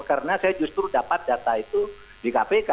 karena saya justru dapat data itu di kpk